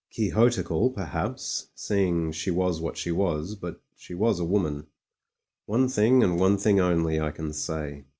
Quixotical, perhaps, seeing she was what she was ; but she was a woman. One thing and one thing only I can say.